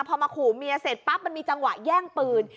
พอมาขู่เมียเสร็จปั๊บมันมีจังหวะแย่งปืน